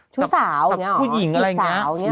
ชุดสาวเนี้ยหรอกับผู้หญิงอะไรอย่างเงี้ยชุดสาวเนี้ยหรอ